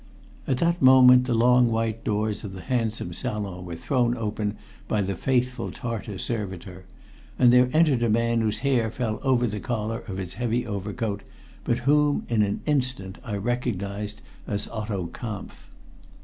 At that moment the long white doors of the handsome salon were thrown open by the faithful Tartar servitor, and there entered a man whose hair fell over the collar of his heavy overcoat, but whom, in an instant, I recognized as Otto Kampf.